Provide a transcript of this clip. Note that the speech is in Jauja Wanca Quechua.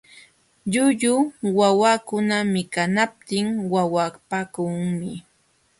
Llullu wawakuna mikanaptin wawapaakunmi.